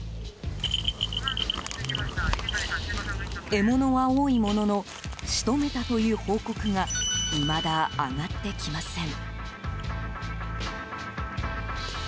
獲物は多いものの仕留めたという報告がいまだ上がってきません。